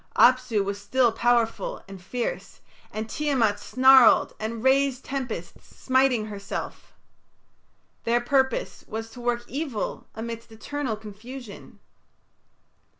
Apsu was still powerful and fierce, and Tiamat snarled and raised tempests, smiting herself. Their purpose was to work evil amidst eternal confusion.